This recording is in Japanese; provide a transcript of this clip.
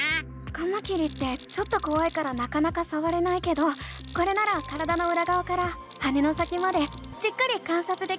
カマキリってちょっとこわいからなかなかさわれないけどこれなら体のうらがわから羽の先までじっくり観察できるね！